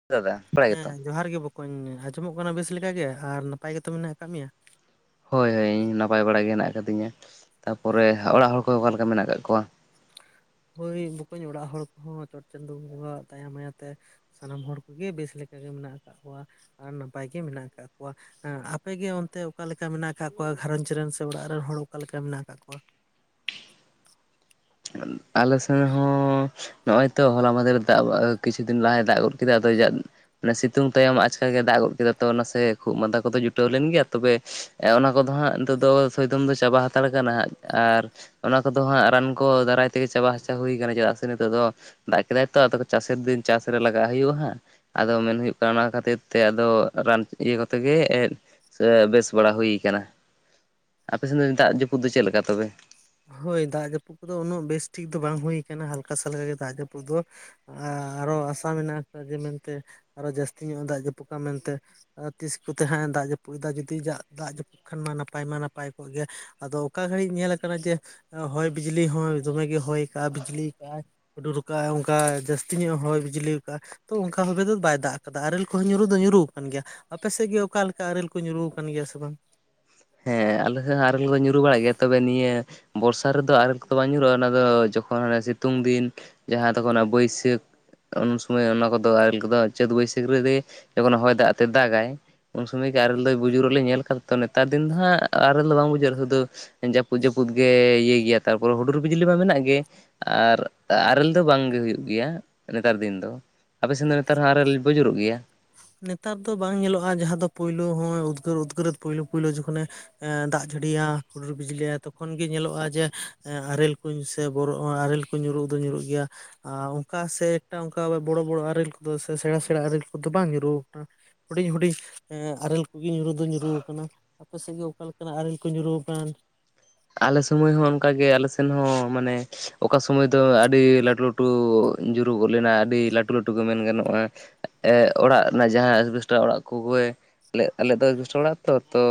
[unintelligible] ᱦᱮᱸ ᱡᱚᱦᱟᱨ ᱜᱮ ᱵᱚᱠᱚᱧ ᱟᱸᱡᱚᱢᱚᱜ ᱠᱟᱱᱟ ᱵᱮᱥ ᱞᱮᱠᱟ ᱜᱮ ᱟᱨ ᱱᱟᱯᱟᱭ ᱜᱮᱛᱚ ᱢᱮᱱᱟᱜ ᱟᱠᱟᱜ ᱢᱮᱭᱟ ᱦᱳᱭ ᱤᱧ ᱱᱟᱯᱟᱭ ᱵᱟᱲᱟ ᱜᱮ ᱦᱮᱱᱟᱜ ᱠᱟᱫᱤᱧᱟ ᱛᱟᱯᱚᱨᱮ ᱚᱲᱟᱜ ᱦᱚᱲ ᱠᱚ ᱚᱠᱟ ᱞᱮᱠᱟ ᱢᱮᱱᱟᱜ ᱟᱠᱟᱜ ᱠᱚᱣᱟ ᱦᱳᱭ ᱵᱚᱠᱚᱧ ᱚᱲᱟᱜ ᱦᱚᱲ ᱠᱚᱦᱚᱸ ᱪᱚᱴ ᱪᱟᱸᱫᱳ ᱵᱚᱸᱜᱟᱣᱟᱜ ᱫᱟᱭᱟ ᱢᱟᱭᱟ ᱛᱮ ᱥᱟᱱᱟᱢ ᱦᱚᱲ ᱠᱚᱜᱮ ᱵᱮᱥ ᱞᱮᱠᱟᱜᱮ ᱢᱮᱱᱟᱜ ᱟᱠᱟᱜ ᱠᱚᱣᱟ ᱟᱨ ᱱᱟᱯᱟᱭ ᱜᱮ ᱢᱮᱱᱟᱜ ᱟᱠᱟᱜ ᱠᱚᱣᱟ᱾ ᱦᱮᱸ ᱟᱯᱮᱜᱮ ᱚᱱᱛᱮ ᱚᱠᱟᱞᱮᱠᱟ ᱢᱮᱱᱟᱜ ᱟᱠᱟᱜ ᱠᱚᱣᱟ ᱜᱷᱟᱹᱨᱚᱸᱡᱽ ᱨᱮᱱ ᱥᱮ ᱚᱲᱟᱜ ᱨᱮᱱ ᱦᱚᱲ ᱚᱠᱟᱞᱮᱠᱟ ᱢᱮᱱᱟᱜ ᱟᱠᱟᱜ ᱠᱚᱣᱟ᱾ ᱟᱞᱮ ᱥᱮᱱ ᱦᱚᱸ ᱱᱚᱜ ᱚᱭ ᱛᱚ ᱦᱚᱞᱟ ᱢᱟᱦᱫᱷᱮᱨ ᱮ ᱫᱟᱜ ᱢᱟᱫ ᱠᱤᱪᱷᱩ ᱫᱤᱱ ᱞᱟᱦᱟᱭ ᱫᱟᱜ ᱜᱚᱫ ᱠᱮᱫᱟᱭ ᱟᱫᱚ ᱢᱟᱱᱮ ᱥᱤᱛᱩᱝ ᱛᱟᱭᱚᱢ ᱟᱪᱠᱟ ᱜᱮ ᱫᱟᱜ ᱜᱚᱜ ᱠᱮᱫᱟ ᱛᱚ ᱱᱟᱥᱮ ᱠᱷᱩᱜ ᱢᱟᱸᱫᱟ ᱠᱚᱫᱚ ᱡᱩᱴᱟᱹᱣ ᱞᱮᱱ ᱜᱮᱭᱟ ᱛᱚᱵᱮ ᱮᱸ ᱚᱱᱟ ᱠᱚᱫᱚ ᱦᱟᱸᱜ ᱱᱤᱛᱚᱜ ᱫᱚ ᱥᱚᱭᱫᱚᱢ ᱫᱚ ᱪᱟᱵᱟ ᱦᱟᱛᱟᱲ ᱠᱟᱱᱟ ᱟᱨ ᱚᱱᱟ ᱠᱚᱫᱚ ᱦᱟᱸᱜ ᱨᱟᱱ ᱠᱚ ᱫᱟᱨᱟᱭ ᱜᱮ ᱪᱟᱵᱟ ᱦᱟᱥᱟ ᱦᱩᱭ ᱠᱟᱱᱟᱟᱱᱟ ᱛᱮᱜᱤ ᱛᱮᱜᱮ ᱪᱟᱵᱟ ᱦᱟᱪᱟ ᱦᱩᱭ ᱠᱟᱱᱟ ᱪᱮᱫᱟᱜ ᱥᱮ ᱱᱤᱛᱚᱜ ᱫᱚ ᱫᱟᱜ ᱠᱮᱫᱟᱭ ᱛᱚ ᱟᱫᱚ ᱪᱟᱥᱮᱨ ᱫᱤᱱ ᱪᱟᱥ ᱨᱮ ᱞᱟᱜᱟᱜ ᱦᱩᱭᱩᱜᱼᱟ ᱦᱟᱸᱜ᱾ ᱟᱫᱚ ᱢᱮᱱ ᱦᱩᱭᱩᱜ ᱠᱟᱱᱟ ᱚᱱᱟ ᱠᱷᱟᱹᱛᱤᱨ ᱛᱮ ᱟᱫᱚ ᱨᱟᱱ ᱤᱭᱟᱹ ᱠᱚᱛᱮ ᱜᱮ ᱮᱸᱫ ᱥᱮ ᱵᱮᱥ ᱵᱟᱲᱟ ᱦᱩᱭ ᱠᱟᱱᱟ ᱟᱯᱮ ᱥᱮᱱ ᱫᱚ ᱫᱟᱜ ᱡᱟᱹᱯᱩᱫ ᱫᱚ ᱪᱮᱜᱞᱮᱠᱟ ᱛᱚᱵᱮ ᱦᱳᱭ ᱫᱟᱜ ᱡᱟᱹᱯᱩᱫ ᱠᱚᱫᱚ ᱩᱱᱟᱹᱜ ᱵᱮᱥᱴᱷᱤᱠ ᱫᱚ ᱵᱟᱝ ᱦᱩᱭ ᱠᱟᱱᱟ ᱦᱟᱞᱠᱟᱥᱟᱞᱠᱟ ᱜᱮ ᱫᱟᱜ ᱡᱟᱹᱯᱩᱫ ᱫᱚ ᱟ ᱟᱨᱚ ᱟᱥᱟ ᱢᱮᱱᱟᱜ ᱟᱠᱟᱫᱟ ᱡᱮ ᱢᱮᱱᱛᱮ ᱟᱨᱚ ᱡᱟᱹᱥᱛᱤ ᱧᱚᱜ ᱮ ᱫᱟᱜ ᱡᱟᱹᱯᱩᱫᱟ ᱢᱮᱱᱛᱮ ᱟᱫᱚ ᱛᱤᱥ ᱠᱚᱛᱮ ᱦᱟᱸᱜ ᱮ ᱫᱟᱜ ᱡᱟᱹᱯᱩᱜ ᱫᱟ ᱡᱩᱫᱤ ᱡᱟᱜ ᱫᱟᱜ ᱡᱟᱹᱯᱩᱫ ᱠᱷᱟᱱ ᱢᱟ ᱱᱟᱯᱟᱭ ᱢᱟ ᱱᱟᱯᱟᱭ ᱠᱚᱜ ᱜᱮᱭᱟ ᱟᱫᱚ ᱚᱠᱟ ᱜᱷᱟᱹᱲᱤᱡ ᱧᱮᱞ ᱠᱟᱱᱟ ᱡᱮ ᱦᱚᱭ ᱵᱤᱡᱽᱞᱤ ᱦᱚᱸᱭ ᱫᱚᱢᱮ ᱜᱮ ᱦᱚᱭ ᱠᱟᱜᱼᱟ ᱵᱤᱡᱽᱞᱤ ᱠᱟᱜᱼᱟᱭ ᱦᱩᱰᱩᱨ ᱠᱟᱜᱼᱟ ᱚᱝᱠᱟ ᱡᱟᱹᱥᱛᱤ ᱧᱚᱜ ᱮ ᱦᱚᱭ ᱵᱤᱡᱽᱞᱤ ᱠᱟᱜᱼᱟ ᱛᱚ ᱚᱝᱠᱟ ᱵᱷᱟᱵᱮ ᱫᱚ ᱵᱟᱭ ᱫᱟᱜ ᱠᱟᱫᱟ ᱟᱨᱮᱞ ᱠᱚᱦᱚᱸ ᱧᱩᱨᱩ ᱫᱚ ᱧᱩᱨᱩ ᱠᱟᱱ ᱜᱮᱭᱟ ᱟᱯᱮ ᱥᱮᱜ ᱜᱮ ᱚᱠᱟ ᱞᱮᱠᱟ ᱟᱨᱮᱞ ᱠᱚ ᱧᱩᱨᱩ ᱟᱠᱟᱱ ᱜᱮᱭᱟ ᱥᱮ ᱵᱟᱝ ᱦᱮᱸ ᱟᱞᱮ ᱥᱮᱜ ᱦᱚᱸ ᱟᱨᱮᱞ ᱠᱚᱫᱚ ᱧᱩᱨᱩ ᱵᱟᱲᱟᱜ ᱜᱮᱭᱟ ᱛᱚᱵᱮ ᱱᱤᱭᱟᱹ ᱵᱚᱨᱥᱟ ᱨᱮᱫᱚ ᱟᱨᱮᱞ ᱠᱚᱫᱚ ᱵᱟᱝ ᱧᱩᱨᱩᱜᱼᱟ ᱚᱱᱟ ᱫᱚ ᱡᱚᱠᱷᱚᱱ ᱦᱟᱱᱮ ᱥᱤᱛᱩᱝ ᱫᱤᱱ ᱡᱟᱦᱟᱸ ᱫᱚᱠᱚ ᱚᱱᱟ ᱵᱟᱹᱭᱥᱟᱹᱠᱷ ᱩᱱ ᱥᱳᱢᱚᱭ ᱚᱱᱟ ᱠᱚᱫᱚ ᱟᱨᱮᱞ ᱠᱚᱫᱚ ᱪᱟᱹᱛ ᱵᱟᱹᱭᱥᱟᱹᱠᱷ ᱨᱮ ᱨᱮ ᱡᱚᱠᱷᱚᱱᱮ ᱦᱚᱭ ᱫᱟᱜ ᱛᱮ ᱫᱟᱜᱟᱭ ᱩᱱ ᱥᱚᱢᱚᱭ ᱜᱮ ᱟᱨᱞᱮ ᱫᱚᱭ ᱵᱩᱡᱩᱨᱚᱜ ᱞᱮ ᱧᱮᱞ ᱠᱟᱫᱟ ᱛᱚ ᱱᱮᱛᱟᱨ ᱫᱤᱱ ᱫᱚ ᱦᱟᱸᱜ ᱟᱨᱮᱞ ᱫᱚ ᱵᱟᱝ ᱵᱩᱡᱟᱹᱜᱼᱟ ᱥᱩᱫᱩ ᱡᱟᱹᱯᱩᱫ ᱡᱟᱹᱯᱩᱫ ᱜᱮ ᱤᱭᱟᱹᱭ ᱜᱮᱭᱟ ᱛᱟᱨᱯᱚᱨᱮ ᱦᱩᱰᱩᱨ ᱵᱤᱡᱽᱞᱤ ᱢᱟ ᱢᱮᱱᱟᱜ ᱜᱮ ᱟᱨ ᱟᱨᱮᱞ ᱫᱚ ᱵᱟᱝᱜᱮ ᱦᱩᱭᱩᱜ ᱜᱮᱭᱟ ᱱᱮᱛᱟᱨ ᱫᱤᱱ ᱫᱚ ᱟᱯᱮ ᱥᱮᱱ ᱫᱚ ᱱᱮᱛᱟᱨ ᱦᱚᱸ ᱟᱨᱮᱞ ᱵᱩᱡᱩᱨᱚᱜ ᱜᱮᱭᱟ ᱱᱮᱛᱟᱨ ᱫᱚ ᱵᱟᱝ ᱧᱮᱞᱚᱜᱼᱟ ᱡᱟᱦᱟᱸ ᱫᱚ ᱯᱳᱭᱞᱳ ᱦᱚᱸ ᱩᱫᱽᱜᱟᱹᱨ ᱩᱫᱽᱜᱟᱹᱨᱮ ᱯᱳᱭᱞᱳ ᱯᱳᱭᱞᱳ ᱡᱚᱠᱷᱚᱱᱮ ᱮ ᱫᱟᱜ ᱡᱟᱹᱲᱤᱭᱟ ᱦᱩᱰᱩᱨ ᱵᱤᱡᱽᱞᱤᱟᱭ ᱛᱚᱠᱷᱚᱱ ᱜᱮ ᱧᱮᱞᱚᱜᱼᱟ ᱡᱮ ᱟᱨᱮᱞ ᱠᱚ ᱥᱮ ᱵᱚᱨᱚ ᱟᱨᱮᱞ ᱠᱚ ᱧᱩᱨᱩᱜ ᱫᱚ ᱧᱩᱨᱩᱜ ᱜᱮᱭᱟ ᱟᱨ ᱚᱱᱠᱟ ᱥᱮ ᱮᱠᱴᱟ ᱚᱱᱠᱟ ᱵᱚᱲᱚ ᱵᱚᱲᱚ ᱟᱨᱮᱞ ᱠᱚᱫᱚ, ᱥᱮᱬᱟ ᱥᱮᱬᱟ ᱟᱨᱮᱞ ᱠᱚᱫᱚ ᱵᱟᱝ ᱧᱩ ᱨᱩ ᱠᱟᱱᱟ ᱦᱩᱰᱤᱧ ᱦᱩᱰᱤᱧ ᱟᱨᱮᱞ ᱠᱚᱜᱮ ᱧᱩᱨᱩ ᱫᱚ ᱧᱩᱨᱩ ᱟᱠᱟᱱᱟ᱾ ᱟᱯᱮ ᱥᱮᱫ ᱜᱮ ᱚᱠᱟ ᱞᱮᱠᱟᱱᱟᱜ ᱟᱨᱮᱞ ᱠᱚ ᱧᱩᱨᱩ ᱠᱟᱱ᱾ ᱟᱞᱮ ᱥᱩᱢᱳᱭ ᱦᱚᱸ ᱚᱱᱠᱟᱜ ᱜᱮ ᱟᱞᱮ ᱥᱮᱱ ᱦᱚᱸ ᱢᱟᱱᱮ ᱚᱠᱟ ᱥᱳᱢᱚᱭ ᱫᱚ ᱟᱹᱰᱤ ᱞᱟᱹᱴᱩ ᱞᱟᱹᱴᱩ- ᱴᱩ ᱧᱩᱨᱩ ᱜᱚᱫ ᱞᱮᱱᱟ ᱟᱹᱰᱤ ᱞᱟᱹᱴᱩ ᱞᱟᱹᱴᱩ ᱜᱮ ᱢᱮᱱ ᱜᱟᱱᱚᱜᱼᱟ᱾ ᱮᱫ ᱚᱲᱟᱜ ᱨᱮᱱᱟᱜ ᱡᱟᱦᱟᱸ ᱮᱥᱵᱮᱥᱴᱟ ᱚᱲᱟᱜ ᱠᱚᱜᱮ ᱟᱞᱮ ᱫᱚ ᱮᱥᱵᱮᱥᱴᱟ ᱚᱲᱟᱜᱛᱚ ᱛᱚ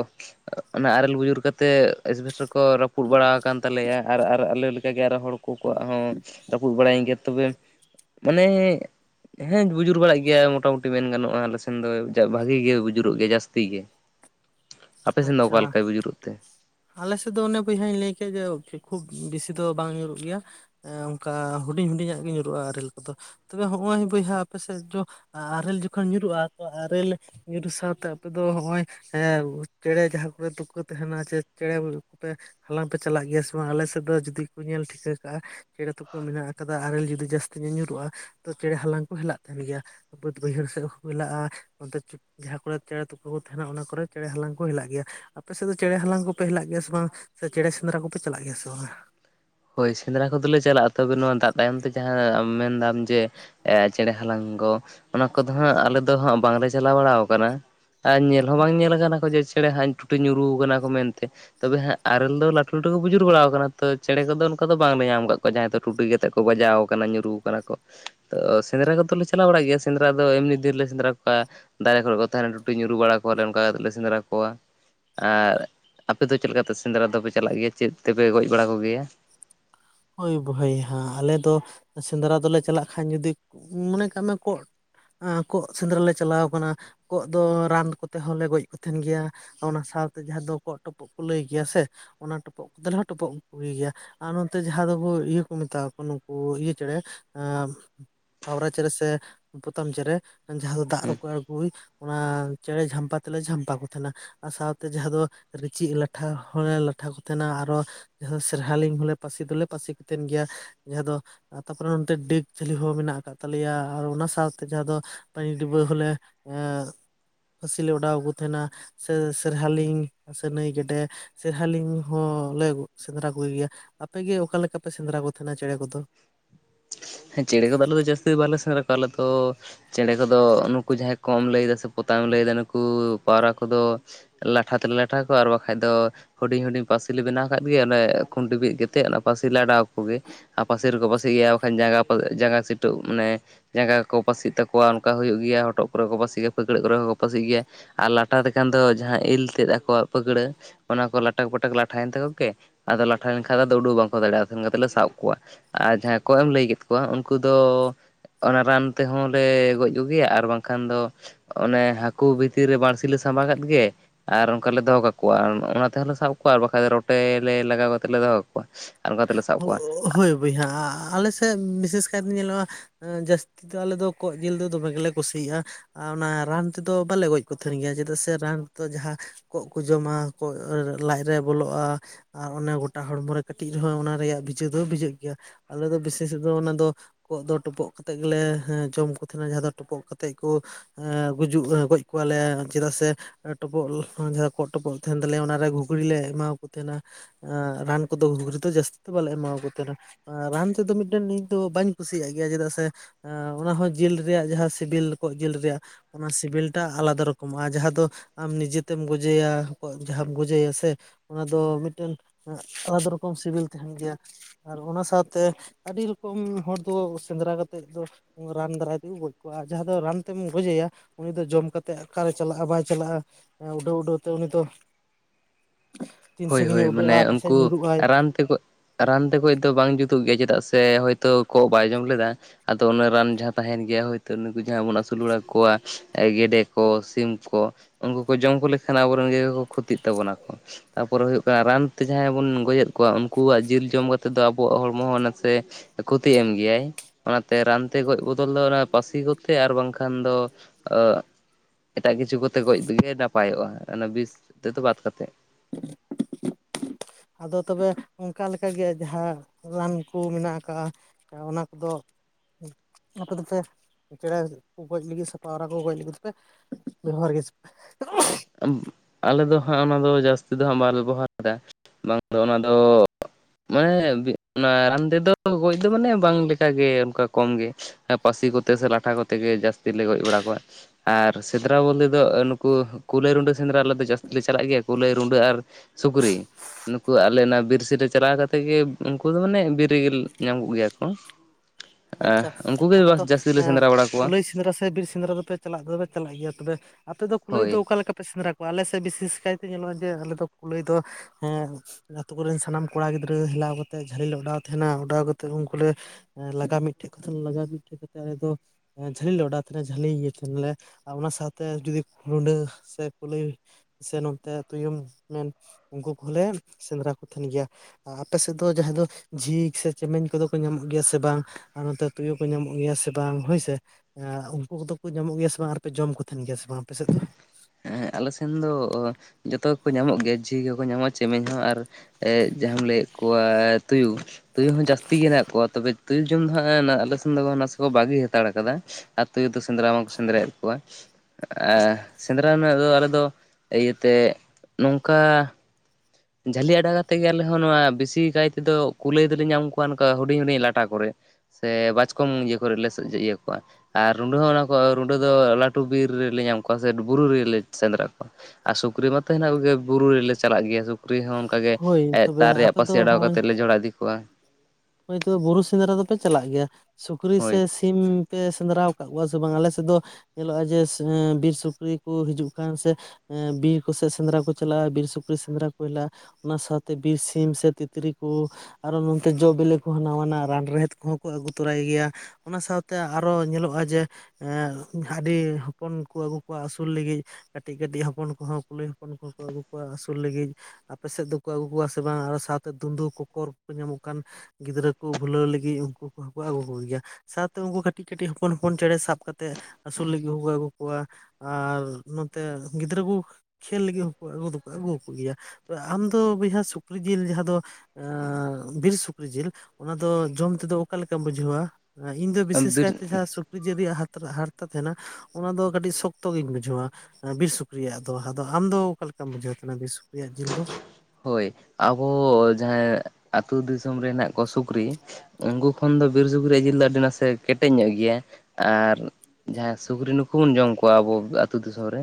ᱚᱱᱟ ᱟᱨᱮᱞ ᱵᱩᱡᱩᱨ ᱠᱟᱛᱮ ᱮᱴᱵᱮᱥ ᱠᱚ ᱨᱟᱹᱯᱩᱫ ᱵᱟᱲᱟ ᱟᱠᱟᱱ ᱛᱟᱞᱮᱭᱟ ᱟᱨ ᱟᱞᱮ ᱤᱱᱠᱟ. ᱜᱮ ᱟᱨ ᱦᱚᱲ ᱠᱚ ᱠᱚᱣᱟᱜ ᱦᱚᱸ ᱨᱟᱹᱯᱩᱫ ᱵᱟᱲᱟᱭᱮᱱ ᱜᱮᱭᱟ ᱛᱚᱵᱮ ᱢᱟᱱᱮ ᱦᱮᱸ ᱵᱩᱡᱩᱨ ᱵᱟᱲᱟᱜ ᱜᱮᱭᱟ ᱢᱚᱴᱟᱢᱩᱴᱤ ᱢᱮᱱ ᱜᱟᱱᱚᱜᱼᱟ ᱟᱞᱮᱥᱮᱱ ᱫᱚ ᱵᱷᱟᱜᱤ ᱜᱮ ᱵᱩᱡᱩᱨᱚᱜ ᱜᱮᱭᱟ ᱡᱟᱹᱥᱛᱤ ᱜᱮ᱾ [inaudible] ᱟᱯᱮ ᱥᱮᱫ ᱫᱚ ᱟᱪᱪᱷᱟ ᱚᱠᱟ ᱞᱮᱠᱟ ᱵᱩᱡᱩᱨᱚᱜ ᱛᱮ? ᱟᱞᱮ ᱥᱮᱫ ᱫᱚ ᱚᱱᱮ ᱵᱚᱭᱦᱟᱧ ᱞᱟᱹᱭ ᱠᱮᱫ ᱡᱮ, ᱠᱷᱩᱵ ᱵᱮᱥᱤ ᱫᱚ ᱵᱟᱝ ᱧᱩᱨᱩᱜ ᱜᱮᱭᱟ᱾ ᱚᱱᱠᱟ ᱦᱩᱰᱤᱧ ᱦᱩᱰᱤᱧᱟᱜ ᱜᱮ ᱧᱩᱨᱩᱜᱼᱟ ᱟᱨᱮᱞ ᱠᱚᱫᱚ᱾ᱛᱚᱵᱮ ᱦᱚᱸᱜᱼᱚᱭ ᱵᱚᱭᱦᱟ ᱟᱯᱮ ᱥᱮᱫ ᱫᱚ ᱟᱨᱮᱞ ᱡᱚᱠᱷᱚᱱ ᱧᱩᱨᱩᱜᱼᱟ ᱛᱚ ᱟᱨᱮᱞ ᱧᱩᱨᱩ ᱥᱟᱶᱛᱮ ᱟᱯᱮᱫᱚ ᱦᱚᱜᱼᱚᱭ ᱮ ᱪᱮᱬᱮ ᱡᱟᱦᱟᱸ ᱠᱚᱨᱮ ᱛᱩᱠᱟᱹ ᱛᱟᱦᱮᱱᱟ ᱪᱮ ᱪᱮᱬᱮ ᱠᱚᱯᱮ ᱦᱟᱞᱟᱝ ᱯᱮ ᱪᱟᱞᱟᱜ ᱜᱮᱭᱟ ᱥᱮ ᱵᱟᱝ? ᱟᱞᱮ ᱥᱮᱫ ᱫᱚ ᱡᱩᱫᱤ ᱠᱚ ᱧᱮᱞ ᱴᱷᱤᱠᱟᱹ ᱠᱟᱜᱼᱟ, ᱪᱮᱬᱮ ᱛᱠᱚᱸ ᱢᱮᱱᱟᱜ ᱠᱟᱫᱟ, ᱟᱨᱮᱞ ᱡᱩᱫᱤ ᱡᱟᱹᱥᱛᱤ ᱧᱮ ᱧᱩᱨᱩᱜᱚᱜᱼᱟ ᱛᱚ ᱪᱮᱬᱮ ᱦᱟᱞᱟᱝ ᱠᱚ ᱦᱮᱞᱟᱜ ᱛᱟᱦᱮᱸᱱ ᱜᱮᱭᱟ᱾ ᱵᱟᱹᱫ ᱵᱟᱹᱭᱦᱟᱹᱲ ᱥᱮᱡ ᱦᱚᱸᱠᱚ ᱦᱮᱞᱟᱜᱼᱟ ᱚᱱᱛᱮ ᱡᱟᱦᱟᱸ ᱠᱚᱨᱮ ᱪᱮᱬᱮ ᱛᱩᱠᱟᱹ ᱠᱚ ᱛᱟᱦᱮᱸᱱᱟ ᱚᱱᱟ ᱠᱚᱨᱮ ᱪᱮᱬᱮ ᱦᱟᱞᱟᱝ ᱠᱩ ᱦᱮᱞᱟᱜ ᱜᱮᱭᱟ᱾ ᱟᱯᱮ ᱥᱮᱫ ᱫᱚ ᱪᱮᱬᱮ ᱦᱟᱞᱟᱝ ᱠᱚᱯᱮ ᱦᱮᱞᱟᱜ ᱜᱮᱭᱟ ᱥᱮ ᱵᱟᱝ ᱥᱮ ᱪᱮᱬᱮ ᱥᱮᱸᱫᱽᱨᱟ ᱠᱚᱯᱮ ᱪᱟᱞᱟᱜ ᱜᱮᱭᱟ ᱥᱮ ᱵᱟᱝ? ᱦᱳᱭ ᱥᱮᱸᱫᱽᱨᱟ ᱠᱚᱫᱚᱞᱮ ᱪᱟᱞᱟᱜᱼᱟ ᱛᱚᱵᱮ ᱱᱚᱣᱟ ᱫᱟᱜ ᱛᱟᱭᱚᱢ ᱛᱮ ᱡᱟᱦᱟᱸ ᱢᱮᱱᱫᱟᱢ ᱡᱮ ᱮ ᱪᱮᱬᱮ ᱦᱟᱞᱟᱝ ᱠᱚ ᱚᱱᱟ ᱠᱚᱫᱚ ᱦᱟᱸᱜ ᱟᱞᱮ ᱫᱚ ᱦᱟᱜ ᱵᱟᱝᱞᱮ ᱪᱟᱞᱟᱣ ᱵᱟᱲᱟ ᱠᱟᱱᱟ᱾ ᱟᱨ ᱧᱮᱞ ᱦᱚᱸ ᱵᱟᱝ ᱧᱮᱞ ᱠᱟᱱᱟ ᱡᱮ ᱪᱮᱬᱮ ᱦᱟᱸᱜ ᱤᱧ ᱴᱩᱴᱤ ᱧᱩᱨᱩ ᱠᱟᱱᱟ ᱠᱚ ᱢᱮᱱᱛᱮ᱾ ᱛᱚᱵᱮ ᱦᱟᱸᱜ ᱟᱨᱮᱞ ᱫᱚ ᱞᱟᱹᱴᱩ ᱞᱟᱹᱴᱩ ᱠᱚ ᱵᱩᱡᱩᱨ ᱵᱟᱲᱟᱣ ᱠᱟᱱᱟ ᱛᱚ ᱪᱮᱬᱮ ᱠᱚᱫᱚ ᱚᱱᱠᱟ ᱫᱚ ᱵᱟᱝᱞᱮ ᱧᱟᱢ ᱠᱟᱫ ᱠᱚᱣᱟ ᱡᱟᱦᱟᱸᱭ ᱫᱚ ᱴᱩᱴᱤ ᱠᱟᱛᱮᱫ ᱠᱚ ᱵᱟᱡᱟᱣ ᱠᱟᱱᱟ ᱧᱩᱨᱩ ᱠᱟᱱᱟ ᱠᱚ᱾ ᱛᱚ ᱥᱮᱸᱫᱽᱨᱟ ᱠᱚᱫᱚ ᱞᱮ ᱪᱟᱞᱟᱣ ᱵᱟᱲᱟᱜ ᱜᱮᱭᱟ, ᱥᱮᱸᱫᱽᱨᱟ ᱫᱚ ᱮᱢᱱᱤ ᱫᱤᱱᱞᱮ ᱥᱮᱸᱫᱽᱨᱟ ᱠᱚᱣᱟ᱾ ᱫᱟᱨᱮ ᱠᱚᱨᱮ ᱠᱚ ᱛᱟᱦᱮᱸᱱᱟ ᱴᱩᱴᱤᱩ ᱧᱩᱨᱩ ᱵᱟᱲᱟ ᱠᱚᱣᱟᱞᱮ ᱚᱱᱠᱟ ᱠᱟᱛᱮᱫ ᱞᱮ ᱥᱮᱸᱫᱽᱨᱟ ᱠᱚᱣᱟ᱾ ᱟᱨ ᱟᱯᱮᱫᱚ ᱪᱮᱫ ᱞᱮᱠᱟᱛᱮ ᱥᱮᱸᱫᱽᱨᱟ ᱫᱚᱯᱮ ᱪᱟᱞᱟᱜ ᱜᱮᱭᱟ? ᱪᱮᱫ ᱛᱮᱯᱮ ᱜᱚᱡ ᱵᱟᱲᱟ ᱠᱚᱜᱮᱭᱟ? [unintelligible] ᱦᱳᱭ ᱵᱳᱭᱦᱟ ᱟᱞᱮ ᱫᱚ ᱥᱮᱸᱫᱽᱨᱟ ᱫᱚᱞᱮ ᱪᱟᱞᱟᱜ ᱠᱷᱟᱱ ᱡᱩᱫᱤ ᱢᱚᱱᱮ ᱠᱟᱜ ᱢᱮ ᱠᱚᱸᱜ ᱟᱸ ᱠᱚᱸᱜ ᱥᱮᱸᱫᱽᱨᱟ ᱞᱮ ᱪᱟᱞᱟᱣ ᱠᱟᱱᱟ ᱠᱚᱸᱜ ᱫᱚ ᱨᱟᱱ ᱠᱚᱛᱮ ᱦᱚᱸᱞᱮ ᱜᱚᱡ ᱠᱚ ᱛᱟᱦᱮᱸᱱ ᱜᱮᱭᱟ, ᱚᱱᱟ ᱥᱟᱶᱛᱮ ᱡᱟᱦᱟᱸ ᱫᱚ ᱠᱚᱜ ᱴᱚᱯᱚᱜ ᱠᱚ ᱞᱟᱹᱭ ᱜᱮᱭᱟ ᱥᱮ᱾ ᱚᱱᱟ ᱴᱚᱯᱚᱜ ᱠᱚᱫᱟᱞᱮ ᱦᱚᱸ ᱴᱚᱯᱚᱜᱩᱭ ᱜᱮᱭᱟ ᱟᱨ ᱱᱚᱱ ᱛᱮ ᱡᱟᱦᱟᱸ ᱫᱚᱠᱚ ᱤᱭᱟᱹ ᱠᱚ ᱢᱮᱛᱟ ᱠᱚ ᱱᱩᱝᱠᱩ ᱤᱭᱟᱹ ᱪᱮᱬᱮ ᱯᱟᱣᱨᱟ ᱪᱮᱬᱮ ᱥᱮ ᱯᱚᱛᱟᱢ ᱪᱮᱬᱮ ᱡᱟᱦᱟᱸ ᱫᱚ ᱫᱟᱜ ᱨᱮᱠᱚ ᱟᱹᱜᱩᱭ ᱚᱱᱟ ᱪᱮᱬᱮ ᱡᱷᱟᱢᱯᱟ ᱛᱮᱞᱮ ᱡᱷᱟᱯᱟ ᱠᱚ ᱛᱟᱦᱮᱸᱱᱟ᱾ ᱟᱨ ᱥᱟᱶᱛᱮ ᱡᱟᱦᱟᱸ ᱫᱚ ᱨᱤᱪᱤ ᱞᱟᱴᱷᱟ ᱦᱚᱸᱞᱮ ᱞᱟᱴᱷᱟ ᱠᱚ ᱛᱟᱦᱮᱸᱱᱟ, ᱟᱨᱚ ᱡᱟᱦᱟᱸ ᱫᱚ ᱥᱮᱨᱦ ᱞᱤᱝ ᱦᱚᱸᱞᱮ ᱯᱟᱹᱥᱤ ᱫᱚᱞᱮ ᱯᱟᱹᱥᱤ ᱠᱚ ᱛᱮᱦᱮᱸᱱ ᱜᱮᱭᱟ, ᱡᱟᱦᱟᱸ ᱫᱚ ᱟ ᱛᱟᱯᱚᱨᱮ ᱱᱚᱛ ᱰᱮᱜᱽ ᱡᱷᱟᱹᱞᱤ ᱦᱚᱸ ᱢᱮᱱᱟᱜ ᱠᱟᱜ ᱛᱟᱞᱮᱭᱟ ᱟᱨ ᱚᱱᱟ ᱥᱟᱶᱛᱮ ᱡᱟᱦᱟᱸ ᱫᱚ ᱯᱟᱸᱭᱤ ᱵᱤᱵᱟᱹ ᱦᱚᱞᱮ ᱮᱸᱜ ᱯᱷᱟᱹᱥᱤ ᱞᱮ ᱚᱰᱟᱣ ᱠᱚ ᱛᱟᱦᱮᱸᱱᱟ ᱥᱮ ᱥᱮᱨᱦᱟᱞᱤᱝ ᱥᱮ ᱱᱟᱹᱭ ᱜᱮᱰᱮ ᱥᱮᱨᱦᱟᱞᱤᱝ ᱦᱚᱸᱞᱮ ᱥᱮᱸᱫᱽᱨᱟ ᱠᱚᱜ ᱜᱮᱭᱟ, ᱟᱯᱮᱜᱮ ᱚᱠᱟᱮ ᱞᱮᱠᱟᱯᱮ ᱥᱮᱸᱫᱽᱨᱟ ᱠᱚ ᱛᱟᱦᱮᱸᱱᱟ ᱪᱮᱬᱮ ᱠᱚᱫᱚ? ᱦᱮᱸ ᱪᱮᱬᱮ ᱠᱚ ᱟᱞᱮ ᱫᱚ ᱡᱟᱹᱥᱛᱤ ᱫᱚ ᱵᱟᱞᱮ ᱥᱮᱸᱫᱽᱨᱟ ᱠᱚᱣᱟ ᱟᱞᱮ ᱫᱚ ᱪᱮᱬᱮ ᱠᱚᱫᱚ ᱱᱩᱠᱩ ᱡᱟᱦᱟᱸᱭ ᱠᱚᱜ ᱮᱢ ᱞᱟᱹᱭᱫᱟ ᱥᱮ ᱯᱚᱛ ᱮᱢ ᱞᱟᱹᱭᱫᱟ ᱱᱩᱠᱩ ᱯᱟᱣᱨᱟ ᱠᱚᱫᱚ ᱞᱟᱴᱷᱟ ᱛᱮᱞᱮ ᱞᱟᱴᱷᱟ ᱠᱚᱣᱟ, ᱟᱨ ᱵᱟᱠᱟᱱᱡ ᱫᱚ ᱦᱩᱰᱤᱧ ᱦᱩᱰᱤᱧ ᱯᱟᱹᱥ ᱞᱮ ᱵᱮᱱᱟᱣ ᱠᱟᱫ ᱞᱮ ᱚᱱᱮ ᱠᱷᱩᱱᱴᱤ ᱵᱤᱫ ᱠᱟᱛᱮᱜ ᱚᱱᱟ ᱯᱟᱹᱤᱞ ᱞᱮ ᱚᱰᱟᱣ ᱠᱚᱜᱮ᱾ ᱟᱨ ᱯᱟᱥᱤ ᱨᱮᱠᱚ ᱯᱟᱹᱥᱤᱜ ᱜᱮᱭᱟ ᱵᱟᱠᱷᱟᱱ ᱡᱟᱸᱜᱟ ᱡᱟᱸᱜᱟ ᱥᱤᱛᱩᱜ ᱢᱟᱱᱮ ᱡᱟᱸᱜᱟ ᱠᱚᱠᱚ ᱯᱟᱹᱥᱤᱜ ᱛᱟᱠᱚᱣᱟ ᱚᱝᱠᱟ ᱦᱩᱭᱩᱜ ᱜᱮᱭᱟ, ᱦᱚᱴᱚᱜ ᱠᱚᱨᱮ ᱠᱚ ᱯᱟᱹᱥᱤᱜ ᱜᱮᱭᱟ ᱯᱷᱟᱹᱠᱲᱟᱹᱜ ᱠᱚᱨᱮ ᱦᱚᱸᱠᱚ ᱯᱟᱹᱥᱤᱜ ᱜᱮᱭᱟ᱾ ᱟᱨ ᱞᱟᱴᱟ ᱛᱮᱠᱷᱟᱱ ᱫᱚ ᱡᱟᱦᱟᱸ ᱤᱞ ᱛᱮᱜ ᱟᱠᱚᱣᱟᱜ ᱯᱷᱠᱲᱟᱹ ᱚᱱᱟ ᱠᱚ ᱞᱟᱴᱟᱠ ᱯᱟᱴᱟᱠ ᱞᱟᱴᱷᱟᱭᱮᱱ ᱛᱟᱠᱚ ᱜᱮ, ᱟᱫᱚ ᱞᱟᱴᱟᱭᱮᱱ ᱠᱷᱟᱱᱡ ᱟᱫᱚ ᱩᱰᱩ ᱵᱟᱝᱠᱚ ᱫᱟᱲᱮᱭᱟᱜᱼᱟ ᱥᱮᱱ ᱠᱟᱛᱮᱫ ᱞᱮ ᱥᱟᱵ ᱠᱚᱣᱟ᱾ ᱟᱨ ᱡᱟᱦᱟᱸᱭ ᱠᱚᱜ ᱮᱢ ᱞᱟᱹᱭ ᱠᱮᱫ ᱠᱚᱣᱟ ᱩᱱᱠᱩ ᱫᱚ ᱚᱱᱟ ᱨᱟᱱ ᱛᱮᱦᱚᱸ ᱞᱮ ᱜᱚᱡ ᱠᱚ ᱜᱮᱭᱟ ᱟᱨ ᱵᱟᱝᱠᱷᱟᱱ ᱫᱚ ᱚᱱᱮ ᱦᱟᱹᱠᱩ ᱵᱷᱤᱛᱤᱨ ᱨᱮ ᱵᱟᱹᱲᱥᱤ ᱞᱮ ᱥᱟᱵᱟᱣ ᱠᱟᱫ ᱜᱮ, ᱟᱨ ᱚᱱᱠᱟ ᱞᱮ ᱫᱚᱦᱚ ᱠᱟᱠᱚᱣᱟ ᱚᱱᱟ ᱛᱮᱦᱚᱸᱞᱮ ᱥᱟᱵ ᱠᱚᱣᱟ ᱟᱨ ᱵᱟᱠᱷᱟᱡ ᱨᱚᱴᱮ ᱞᱮ ᱞᱟᱜᱟᱣ ᱠᱟᱛᱮᱫ ᱞᱮ ᱫᱚᱦᱚ ᱠᱟᱠᱚᱣᱟ᱾ ᱟᱨ ᱚᱱᱠᱟ ᱠᱟᱛᱮᱫ ᱞᱮ ᱥᱟᱵ ᱦᱳ ᱠᱚᱣᱟ ᱦᱳ ᱦᱳᱭ ᱵᱚᱭᱦᱟ ᱟᱞᱮ ᱥᱮᱫ ᱵᱤᱥᱮᱥ ᱠᱟᱭᱛᱮ ᱧᱮᱞᱚᱜᱼᱟ ᱡᱟᱹᱥᱛᱤ ᱫᱚ ᱟᱞᱮ ᱫᱚ ᱠᱚᱸᱜ ᱡᱤᱞ ᱫᱚ ᱫᱚᱢᱮ ᱜᱮᱞᱮ ᱠᱩᱥᱤᱭᱟᱜᱼᱟ᱾ ᱟᱨ ᱚᱱᱟ ᱨᱟᱱ ᱛᱮᱫᱚ ᱵᱟᱞᱮ ᱜᱚᱡ ᱠᱚ ᱛᱟᱦᱮᱸᱱ ᱜᱮᱭᱟ ᱪᱮᱫᱟᱜ ᱥᱮ ᱨᱟᱱ ᱫᱚ ᱡᱟᱦᱟᱸ ᱠᱚᱸᱜ ᱠᱚ ᱡᱚᱢᱟ ᱠᱚᱸᱜ ᱞᱟᱡ ᱨᱮ ᱵᱚᱞᱚᱜᱼᱟ, ᱟᱨ ᱚᱱᱮ ᱜᱚᱴᱟ ᱦᱚᱲᱢᱚᱨ ᱨᱮ ᱠᱟᱹᱴᱤᱡ ᱡᱟᱦᱟᱸ ᱚᱱᱟ ᱨᱮᱭᱟᱜ ᱵᱤᱡᱟᱹ ᱫᱚ ᱵᱤᱡᱟᱹᱜ ᱜᱮᱭᱟ ᱟᱞᱮ ᱫᱚ ᱵᱤᱥᱮᱥ ᱫᱚ ᱚᱱᱟ ᱫᱚ ᱠᱚᱜ ᱫᱚ ᱴᱚᱯᱚᱜ ᱠᱟᱛᱮᱜ ᱜᱮᱞᱮ ᱡᱚᱢ ᱠᱚ ᱛᱟᱦᱮᱸᱱᱟ, ᱡᱟᱦᱟᱸ ᱫᱚ ᱴᱚᱯᱚᱜ ᱠᱟᱛᱮᱜ ᱠᱚ ᱦᱮᱸ ᱜᱩᱡᱩᱜ ᱜᱚᱡ ᱠᱚᱣᱟᱞᱮ ᱪᱮᱫᱟᱜ ᱥᱮ ᱮ ᱴᱚᱯᱚᱜ ᱡᱟᱦᱟᱸ ᱠᱚᱸᱜ ᱴᱚᱯᱚᱜ ᱛᱟᱦᱮᱸᱱ ᱛᱟᱞᱮᱭᱟ ᱚᱱᱟᱨᱮ ᱜᱷᱩᱜᱽᱲᱤ ᱞᱮ ᱮᱢᱟ ᱠᱚ ᱛᱟᱦᱮᱸᱱᱟ᱾ ᱨᱟᱱ ᱠᱚᱫᱚ [inaudible] ᱛᱚ ᱡᱟᱹᱥᱛᱤ ᱫᱚ ᱵᱟᱞᱮ ᱮᱢᱟ ᱠᱚ ᱠᱟᱱᱟ ᱨᱟᱱ ᱛᱮᱫᱚ ᱢᱤᱫᱴᱮᱱ ᱱᱤᱧ ᱫᱚ ᱵᱟᱹᱧ ᱠᱩᱥᱤᱭᱟᱜ ᱜᱮᱭᱟ ᱪᱮᱫᱟᱜ ᱥᱮᱼᱼ ᱚᱱᱟᱦᱚᱸ ᱡᱮᱞ ᱨᱮᱭᱟᱜ ᱡᱟᱦᱟᱸ ᱥᱮᱵᱮᱞ ᱠᱚᱜ ᱡᱮᱞ ᱨᱮᱭᱟᱜ ᱚᱱᱟ ᱥᱮᱵᱮᱞᱴᱟᱜ ᱟᱞᱟᱫᱟ ᱨᱚᱠᱚᱢ ᱟᱨ ᱡᱟᱦᱟᱸ ᱫᱚᱼᱼ ᱟᱢ ᱱᱤᱡᱮᱛᱮᱢ ᱜᱚᱡᱮᱭᱟ ᱡᱟᱦᱟᱸᱢ ᱜᱚᱡᱮᱭᱟ ᱥᱮ ᱚᱱᱟ ᱫᱚ ᱢᱤᱫᱴᱮᱱ ᱟᱞᱟᱫᱟ ᱨᱚᱠ ᱠᱚᱢ ᱥᱮᱵᱮᱞ ᱛᱟᱦᱮᱱ ᱜᱮᱭᱟ᱾ ᱟᱨ ᱚᱱᱟ ᱥᱟᱶᱛᱮ ᱟᱹᱰᱤ ᱨᱚᱠᱚᱢ ᱦᱚᱲ ᱫᱚ ᱥᱮᱸᱫᱽᱨᱟ ᱠᱟᱛᱮᱫ ᱫᱚᱼᱼ ᱨᱟᱱ ᱫᱟᱨᱟᱭ ᱛᱮᱜᱮ ᱜᱚᱡ ᱠᱚᱣᱟ ᱟᱨ ᱡᱟᱦᱟᱸ ᱫᱚ ᱨᱟᱱ ᱛᱮᱢ ᱜᱚᱡᱮᱭᱟ ᱩᱱᱤ ᱫᱚ ᱡᱚᱢ ᱠᱟᱛᱮᱫ ᱚᱠᱟᱨᱮ ᱪᱟᱞᱟᱜᱼᱟ ᱵᱟᱭ ᱪᱟᱞᱟᱜᱼᱟ ᱩᱰᱟᱹᱣ ᱩᱰᱟᱹᱣ ᱛᱮ ᱩᱱᱤ ᱫᱚ ᱾ ᱦᱳᱭ ᱦᱳᱭ ᱢᱟᱱᱮ ᱩᱱᱠᱩ ᱧᱩᱨᱩᱜᱼᱟᱭ ᱨᱟᱱ ᱛᱮᱠᱚᱼᱼ ᱨᱟᱱ ᱛᱮ ᱜᱚᱡ ᱫᱚ ᱵᱟᱝ ᱡᱩᱛᱩᱜ ᱜᱮᱭᱟ ᱪᱮᱫᱟᱜ ᱥᱮ ᱦᱚᱭᱛᱳ ᱠᱚᱜ ᱵᱟᱭ ᱡᱚᱢ ᱞᱮᱫᱟ ᱾ ᱟᱫᱚ ᱚᱱᱟ ᱨᱟᱱ ᱡᱟᱦᱟᱸ ᱛᱟᱦᱮᱱ ᱜᱮᱭᱟ ᱦᱳᱭᱛᱳ ᱱᱩᱠᱩ ᱡᱟᱦᱟᱸᱭ ᱵᱚᱱ ᱟᱹᱥᱩᱞ ᱵᱟᱲᱟ ᱠᱚᱣᱟ ᱮ ᱜᱮᱰᱮ ᱠᱚ ᱥᱤᱢ ᱠᱚ ᱾ ᱩᱱᱠᱩ ᱠᱚ ᱡᱚᱢ ᱠᱚ ᱞᱮᱠᱷᱟᱱ ᱟᱵᱚᱨᱮᱱ ᱜᱮᱠᱚ ᱠᱷᱚᱛᱤᱜ ᱛᱟᱵᱚᱱᱟ ᱠᱚ ᱾ ᱛᱟᱯᱚᱨᱮ ᱦᱩᱭᱩᱜ ᱠᱟᱱᱟ ᱨᱟᱱ ᱛᱮ ᱡᱟᱦᱟᱸᱭ ᱵᱚᱱ ᱜᱚᱡᱮᱫ ᱠᱚᱣᱟ ᱩᱱᱠᱩᱣᱟᱜ ᱡᱤᱞ ᱡᱚᱢ ᱠᱟᱛᱮᱫ ᱫᱚ ᱟᱵᱚᱣᱟᱜ ᱦᱚᱲᱢᱚ ᱦᱚ ᱱᱟᱥᱮᱼᱼ ᱠᱷᱚᱛᱤ ᱮᱢ ᱜᱮᱭᱟᱭ ᱚᱱᱟᱛᱮ ᱨᱟᱱᱛᱮ ᱜᱚᱡ ᱵᱚᱫᱚᱞ ᱫᱚ ᱚᱱᱟ ᱯᱟᱹᱥᱤ ᱠᱚᱛᱮ ᱟᱨ ᱵᱟᱝᱠᱷᱟᱱ ᱫᱚᱼᱼ [inaudible] ᱮᱴᱟᱜ ᱠᱤᱪᱷᱩ ᱠᱚᱛᱮ ᱜᱚᱡ ᱫᱩᱜᱮ ᱱᱟᱯᱟᱭᱚᱜᱼᱟ ᱚᱱᱟ ᱵᱤᱥ ᱛᱮᱫᱚ ᱵᱟᱫ ᱠᱟᱛᱮᱫ ᱾ ᱟᱫᱚ ᱛᱚᱵᱮ ᱚᱱᱠᱟ ᱞᱮᱠᱟᱜᱮ ᱡᱟᱦᱟᱸ ᱞᱟᱱ ᱠᱩ ᱢᱮᱱᱟᱜ ᱠᱟᱜ-ᱟ ᱾ ᱚᱱᱟ ᱠᱚᱫᱚ ᱟᱯᱮ ᱫᱚᱯᱮᱼᱼ ᱪᱮᱬᱮ ᱠᱚ ᱜᱚᱡ ᱞᱟᱹᱜᱤᱫ ᱥᱮ ᱯᱟᱣᱨᱟ ᱠᱚ ᱜᱚᱡ ᱞᱟᱹᱜᱤᱫ ᱛᱮᱯᱮ ᱵᱮᱣᱦᱟᱨ ᱜᱤᱥ [inaudible] [inaudible] ᱟᱞᱮ ᱫᱚ ᱦᱟᱸᱜ ᱚᱱᱟ ᱫᱚ ᱡᱟᱹᱥᱛᱤ ᱫᱚ ᱦᱟᱸᱜ ᱵᱟᱞᱮ ᱵᱮᱵᱚᱦᱟᱨᱫᱟ ᱵᱟᱝ ᱫᱚ ᱚᱱᱟᱫᱚ ᱾ ᱢᱟᱱᱮ ᱚᱱᱟ ᱨᱟᱱ ᱛᱮᱫᱚ ᱜᱚᱡ ᱫᱚ ᱢᱟᱱᱮ ᱵᱟᱝ ᱞᱮᱠᱟᱜᱮ ᱚᱱᱠᱟ ᱠᱚᱢ ᱜᱮ ᱾ ᱯᱟᱥᱤ ᱠᱚᱛᱮ ᱥᱮ ᱞᱟᱴᱷᱟ ᱠᱚᱛᱮ ᱜᱮ ᱡᱟᱹᱥᱛᱤ ᱞᱮ ᱜᱚᱡ ᱵᱟᱲᱟ ᱠᱚᱣᱟ ᱾ ᱟᱨ ᱥᱮᱸᱫᱽᱨᱟ ᱵᱚᱞᱛᱮ ᱫᱚ ᱱᱩᱠᱩ ᱠᱩᱞᱟᱹᱭ ᱨᱩᱰᱟᱹ ᱥᱮᱸᱫᱽᱨᱟ ᱟᱞᱮ ᱫᱚ ᱡᱟᱹᱥᱛᱤ ᱞᱮ ᱪᱟᱞᱟᱜ ᱜᱮᱭᱟ ᱠᱩᱞᱟᱹᱭ ᱨᱩᱰᱟᱹ ᱟᱨ ᱥᱩᱠᱨᱤ ᱾ ᱱᱩᱠᱩ ᱟᱞᱮ ᱚᱱᱟ ᱵᱤᱨ ᱥᱮᱨ ᱨᱮ ᱪᱟᱞᱟᱣ ᱠᱟᱛᱮ ᱜᱮ ᱩᱱᱠᱩ ᱫᱚ ᱢᱟᱱᱮ ᱵᱤᱨᱤᱜᱤᱞ ᱧᱟᱢᱚᱜ ᱜᱮᱭᱟ ᱠᱚ ᱾ [inaudible] ᱟᱪᱪᱷᱟ ᱟᱯᱮ ᱫᱚ ᱡᱟᱹᱥᱛᱤ ᱞᱮ ᱮᱸ ᱥᱮᱸᱫᱽᱨᱟ ᱵᱟᱲᱟ ᱠᱚᱣᱟ ᱠᱩᱞᱟᱹᱭ ᱥᱮᱸᱫᱽᱨᱟ ᱥᱮ ᱵᱤᱨ ᱥᱮᱸᱫᱽᱨᱟ ᱫᱚᱯᱮ ᱪᱟᱞᱟᱜ ᱫᱚᱯᱮ ᱪᱟᱞᱟᱜ ᱜᱮᱭᱟ ᱛᱚᱵᱮ ᱾ ᱟᱯᱮ ᱫᱚ ᱠᱩᱞᱟᱹᱭ ᱦᱳᱭ ᱫᱚ ᱚᱠᱟ ᱞᱮᱠᱟᱯᱮ ᱥᱮᱸᱫᱽᱨᱟ ᱠᱚᱣᱟ ᱟᱞᱮ ᱥᱮᱫ ᱵᱤᱥᱮᱥ ᱠᱟᱭᱛᱮ ᱧᱮᱞᱚᱜᱼᱟ ᱡᱮ ᱟᱞᱮ ᱫᱚ ᱠᱩᱞᱟᱹᱭ ᱫᱚ ᱮ ᱾ ᱟᱹᱛᱩ ᱠᱚᱨᱮᱱ ᱥᱟᱱᱟᱢ ᱠᱚᱲᱟ ᱜᱤᱫᱽᱨᱟᱹ ᱦᱮᱞᱟᱣ ᱠᱟᱛᱮᱜ ᱡᱷᱟᱹᱞᱤ ᱞᱮ ᱚᱰᱟᱣ ᱛᱟᱦᱮᱱᱟ ᱚᱰᱟᱣ ᱠᱟᱛᱮᱜ ᱩᱱᱠᱩ ᱞᱮ ᱞᱟᱠᱼᱼ ᱠᱟ ᱢᱤᱫᱴᱷᱮᱡ ᱠᱟᱛᱮ ᱞᱮ ᱞᱟᱜᱟ ᱢᱤᱫᱴᱷᱮᱡ ᱠᱟᱛᱮ ᱟᱞᱮ ᱫᱚ ᱡᱷᱟᱹᱞᱤ ᱞᱮ ᱚᱰᱟᱣ ᱛᱟᱦᱮᱸᱱᱟ ᱡᱷᱟᱹᱞᱤ ᱤᱭᱟᱹ ᱛᱷᱮᱱᱞᱮ ᱾ ᱟᱨ ᱚᱱᱟ ᱥᱟᱶᱛᱮ ᱡᱩᱫᱤ ᱜᱩᱰᱟᱹ ᱥᱮ ᱠᱩᱞᱟᱹᱭ ᱥᱮ ᱱᱚᱱᱛᱮ ᱛᱩᱭᱩᱢ ᱢᱮᱱ ᱩᱱᱠᱩ ᱠᱚᱦᱚᱸᱞᱮ ᱥᱮᱸᱫᱽᱨᱟ ᱠᱚ ᱛᱟᱦᱮᱱ ᱜᱮᱭᱟ ᱾ ᱟᱻ ᱟᱯᱮ ᱥᱮᱫ ᱫᱚ ᱡᱟᱦᱟᱸᱭ ᱫᱚ ᱡᱷᱤᱠ ᱥᱮ ᱪᱮᱢᱮᱧ ᱠᱚᱫᱚ ᱠᱚ ᱧᱟᱢᱚᱜ ᱜᱮᱭᱟ ᱥᱮ ᱵᱟᱝ? ᱟᱨ ᱱᱚᱛᱮ ᱛᱩᱭᱩ ᱠᱚ ᱧᱟᱢᱚᱜ ᱜᱮᱭᱟ ᱥᱮ ᱵᱟᱝ ᱦᱳᱭ ᱥᱮ ᱾ ᱮ ᱩᱱᱠᱩ ᱠᱚᱫᱚ ᱠᱚ ᱧᱟᱢᱚᱜ ᱜᱮᱭᱟ ᱥᱮ ᱵᱟᱝ ᱟᱨᱯᱮ ᱡᱚᱢ ᱠᱚ ᱛᱟᱦᱮᱱ ᱜᱮᱭᱟ ᱥᱮ ᱵᱟᱝ ᱟᱯᱮ ᱥᱮᱫ ᱫᱚ? ᱦᱮᱸ ᱟᱞᱮ ᱥᱮᱱ ᱫᱚ ᱡᱚᱛᱚ ᱜᱮᱠᱚ ᱧᱟᱢᱚᱜ ᱜᱮᱭᱟ ᱡᱷᱤ ᱜᱮᱠᱚ ᱧᱟᱢᱚᱜᱼᱟ ᱪᱮᱢᱮᱧ ᱦᱚᱸ ᱟᱨ ᱾ ᱮᱜ ᱡᱟᱦᱟᱢ ᱞᱟᱹᱭᱮᱫ ᱠᱚᱣᱟ ᱛᱩᱭᱩ ᱾ ᱛᱩᱭᱩ ᱦᱚᱸ ᱡᱟᱥᱛᱤ ᱜᱮ ᱦᱮᱱᱟᱜ ᱠᱚᱣᱟ ᱛᱚᱵᱮ ᱛᱩᱭᱩ ᱡᱚᱢ ᱫᱚ ᱦᱟᱸᱜ ᱟᱞᱮ ᱥᱮᱱ ᱫᱚ ᱱᱟᱥᱮ ᱠᱚ ᱵᱟᱜᱤ ᱦᱟᱛᱟᱲ ᱠᱟᱫᱟ ᱾ ᱟ ᱛᱩᱭᱩ ᱫᱚ ᱥᱮᱸᱫᱽᱨᱟ ᱢᱟᱝ ᱥᱮᱸᱫᱽᱨᱟᱭᱮᱫ ᱠᱚᱣᱟ ᱮ ᱥᱮᱸᱫᱽᱨᱟ ᱨᱮᱱᱟᱜ ᱟᱫᱚ ᱟᱞᱮᱫᱚ ᱤᱭᱟᱹᱛᱮ ᱱᱚᱝᱠᱟ ᱡᱷᱟᱹᱞᱤ ᱟᱰᱟᱣ ᱠᱟᱛᱮᱫ ᱜᱮ ᱟᱞᱮ ᱦᱚᱸ ᱱᱚᱣᱟ ᱵᱮᱥᱤ ᱠᱟᱭ ᱛᱮᱫᱚ ᱠᱩᱞᱟᱹᱭ ᱫᱚᱞᱮ ᱧᱟᱢ ᱠᱚᱣᱟ ᱱᱚᱝᱠᱟ ᱦᱩᱰᱤᱧ ᱦᱩᱰᱤᱧ ᱞᱟᱴᱟ ᱠᱚᱨᱮ ᱾ ᱥᱮ ᱵᱟᱪᱠᱚᱢ ᱤᱭᱟᱹ ᱠᱚᱨᱮᱞᱮ ᱤᱭᱟᱹ ᱠᱚᱣᱟ ᱾ ᱟᱨ ᱨᱩᱸᱰᱟᱹ ᱦᱚᱸ ᱚᱱᱟ ᱠᱚ ᱨᱩᱸᱰᱟᱹ ᱫᱚ ᱞᱟᱹᱴᱩ ᱵᱤᱨ ᱨᱮᱞᱮ ᱧᱟᱢ ᱠᱚᱣᱟ ᱥᱮ ᱵᱩᱨᱩ ᱨᱮᱜᱮᱞᱮ ᱥᱮᱸᱫᱽᱨᱟ ᱠᱚᱣᱟ ᱾ ᱟᱨ ᱥᱩᱠᱨᱤ ᱢᱟᱛᱚ ᱦᱮᱱᱟᱜ ᱠᱚᱜᱮ ᱵᱩᱨᱩ ᱨᱮᱞᱮ ᱪᱟᱞᱟᱜ ᱜᱮᱭᱟ ᱥᱩᱠ ᱠᱷᱨᱤ ᱦᱚᱸ ᱚᱱᱠᱟ ᱜᱮ ᱦᱳᱭ ᱮᱜ ᱛᱚᱵᱮ ᱛᱟᱨ ᱨᱮᱭᱟᱜ ᱟᱯᱮ ᱫᱚ ᱯᱟᱹᱥᱤ ᱚᱰᱟᱣ ᱠᱟᱛᱮᱫ ᱞᱮ ᱡᱚᱲᱟ ᱤᱫᱤ ᱠᱚᱣᱟ ᱾ ᱦᱚᱳᱭᱛᱚ ᱵᱩᱨᱩ ᱥᱮᱸᱫᱽᱨᱟ ᱫᱚᱯᱮ ᱪᱟᱞᱟᱜ ᱜᱮᱭᱟ ᱥᱩᱠᱨᱤ ᱦᱳᱭ ᱥᱮ ᱥᱤᱢ ᱯᱮ ᱥᱮᱸᱫᱽᱨᱟ ᱟᱠᱟᱫ ᱠᱚᱣᱟ ᱥᱮ ᱵᱟᱝ ᱟᱞᱮᱮᱥᱮᱫ ᱫᱚ ᱧᱮᱞᱚᱜᱼᱟ ᱡᱮ ᱟᱸ ᱵᱤᱨ ᱥᱩᱠᱨᱤ ᱠᱚ ᱦᱤᱡᱩᱜ ᱠᱷᱟᱱ ᱥᱮ ᱮᱸ ᱵᱤᱨ ᱠᱚᱥᱮᱫ ᱥᱮᱸᱫᱽᱨᱟ ᱠᱚ ᱪᱟᱞᱟᱜᱼᱟ ᱵᱤᱨ ᱥᱩᱠᱨᱤ ᱥᱮᱸᱫᱽᱨᱟ ᱠᱚᱭ ᱞᱟ ᱚᱱᱟ ᱥᱟᱶᱛᱮ ᱵᱤᱨ ᱥᱤᱢ ᱥᱮ ᱛᱤᱛᱨᱤ ᱠᱚ ᱟᱨᱚ ᱱᱚᱛᱛᱮ ᱡᱚ ᱵᱤᱞᱤ ᱦᱟᱱᱟᱣᱟᱱᱟᱜ ᱨᱟᱱ ᱨᱮᱦᱮᱫ ᱠᱚᱦᱚᱸ ᱠᱚ ᱟᱹᱜᱩ ᱛᱚᱨᱟᱭ ᱜᱮᱭᱟ ᱚᱱᱟ ᱥᱟᱶᱛᱮ ᱟᱨᱚ ᱧᱮᱞᱚᱜᱼᱟ ᱡᱮ ᱮ ᱜᱹᱰᱤ ᱦᱚᱯᱚᱱ ᱠᱚ ᱟᱹᱜᱩ ᱠᱚᱣᱟ ᱟᱹᱥᱩᱞ ᱞᱟᱹᱜᱤᱫ ᱠᱟᱹᱴᱤᱡ ᱠᱟᱹᱴᱤᱡ ᱦᱚᱯᱚᱱ ᱠᱚᱦᱚᱸ ᱠᱩᱞᱟᱭ ᱦᱚᱯᱚᱱ ᱠᱚᱦᱚᱸ ᱠᱚ ᱟᱹᱜᱩ ᱠᱚᱣᱟ ᱟᱹᱥᱩᱞ ᱞᱟᱹᱜᱤᱫ ᱟᱯᱮ ᱥᱮᱫ ᱫᱚᱠᱚ ᱟᱹᱜᱩ ᱠᱚᱣᱟ ᱥᱮ ᱵᱟᱝ ᱟᱨᱚ ᱥᱟᱶᱛᱮ ᱫᱩᱸᱫᱩ ᱠᱚᱠᱚᱨ ᱠᱚ ᱧᱟᱢᱚᱜ ᱠᱟᱱ ᱜᱤᱫᱽᱨᱟᱹ ᱠᱚ ᱵᱷᱩᱞᱟᱹᱣ ᱞᱟᱹᱜᱤᱫ ᱩᱱᱠᱩ ᱠᱚᱦᱚᱠᱚ ᱟᱹᱜᱩ ᱠᱚ ᱜᱮᱭᱟ ᱥᱟᱶᱛᱮ ᱩᱱᱠᱩ ᱠᱟᱹᱴᱤᱡ ᱠᱟᱹᱴᱤᱡ ᱦᱚᱯᱚᱱ ᱦᱚᱯᱚᱱ ᱪᱮᱬᱮ ᱥᱟᱵ ᱠᱟᱛᱮᱮᱫ ᱟᱹᱥᱩᱞ ᱞᱟᱹᱜᱤᱫ ᱦᱚᱸᱠᱚ ᱟᱹᱜᱩ ᱠᱚᱣᱟ ᱟᱨ ᱱᱚᱛᱮ ᱜᱤᱫᱽᱨᱟᱹ ᱠᱚ ᱠᱷᱮᱞ ᱞᱟᱹᱜᱤᱫ ᱦᱚᱸᱠᱚ ᱟᱹᱜᱩ ᱫᱚᱠᱚ ᱟᱹᱜᱩ ᱠᱚ ᱜᱮᱭᱟ ᱟᱢᱫᱚ ᱵᱚᱭᱦᱟ ᱥᱩᱠᱨᱤ ᱡᱤᱞ ᱡᱟᱦᱟᱸ ᱫᱚ ᱟᱸ ᱵᱤᱨ ᱥᱩᱠ ᱥᱩᱠᱨᱤ ᱡᱤᱞ ᱚᱱᱟ ᱫᱚ ᱡᱚᱢ ᱛᱮᱫᱚ ᱚᱠᱟ ᱞᱮᱠᱟᱢ ᱵᱩᱡᱷᱟᱹᱣᱟ ᱤᱧ ᱫᱚ ᱵᱤᱥᱮᱥ ᱵᱤᱨ ᱠᱟᱭᱛᱮ ᱡᱟᱦᱟᱸ ᱥᱩᱠᱨᱤ ᱡᱤᱞ ᱨᱮᱭᱟᱜ ᱦᱟᱨ ᱦᱟᱨᱛᱟ ᱛᱟᱦᱮᱱᱟ ᱚᱱᱟ ᱫᱚ ᱠᱟᱹᱴᱤᱡ ᱥᱚᱠᱛᱚ ᱜᱤᱧ ᱵᱩᱡᱷᱟᱹᱣᱟ ᱵᱤᱨ ᱥᱩᱠᱨᱤᱭᱟᱜ ᱫᱚ ᱟᱫᱚ ᱟᱢ ᱫᱚ ᱚᱠᱟ ᱞᱮᱠᱟᱢ ᱵᱩᱡᱷᱟᱹᱣ ᱠᱮᱫᱟ ᱵᱤᱨ ᱥᱩᱠᱨᱤᱭᱟᱜ ᱡᱤᱞ ᱫᱚ ᱦᱳᱭ ᱟᱵᱚ ᱡᱟᱦᱟᱸᱭ ᱟᱹᱛᱩᱳ ᱫᱤᱥᱚᱢ ᱨᱮ ᱢᱮᱱᱟᱜ ᱠᱚᱣᱟ ᱥᱩᱠᱨᱤ ᱩᱱᱠᱩ ᱠᱷᱚᱱ ᱫᱚ ᱵᱤᱨ ᱥᱩᱠᱨᱤᱤᱭᱟᱹ ᱡᱤᱞ ᱫᱚ ᱟᱹᱰᱤ ᱱᱟᱥᱮ ᱠᱮᱴᱮᱡ ᱧᱚᱜ ᱜᱮᱭᱟ ᱟᱨ ᱡᱟᱦᱟᱸ ᱥᱩᱠᱨᱤ ᱱᱩᱠᱩ ᱵᱚᱱ ᱡᱚᱢ ᱠᱚᱣᱟ ᱟᱵᱚ ᱟᱹᱛᱩ ᱫᱤᱥᱚᱢ ᱨᱮ